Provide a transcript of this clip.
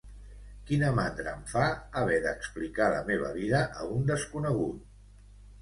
Quina mandra em fa haver d'explicar la meva vida a un desconegut